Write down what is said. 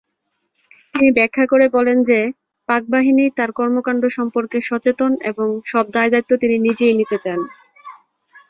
তিনি ব্যাখ্যা করে বলেন যে, পাক বাহিনী তার কর্মকাণ্ড সম্পর্কে সচেতন এবং এর সব দায়-দায়িত্ব তিনি নিজেই নিতে চান।